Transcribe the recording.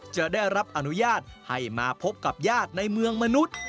จะได้รับอนุญาตให้มาพบกับญาติในเมืองมนุษย์